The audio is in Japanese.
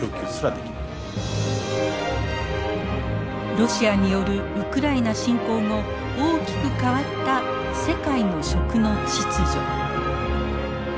ロシアによるウクライナ侵攻後大きく変わった世界の「食」の秩序。